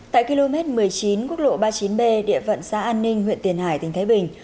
tại km một mươi chín quốc lộ ba mươi chín b địa phận xã an ninh huyện tiền hải tỉnh thái bình